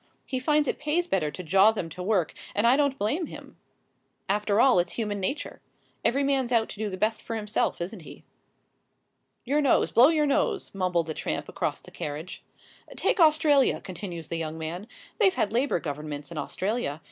He finds it pays better to jaw than to work, and I don't blame him. After all, it's human nature. Every man's out to do the best for himself, isn't he?" "Your nose blow your nose," mumbled the tramp across the carriage. "Take Australia," continues the young man; "they've had Labour Governments in Australia.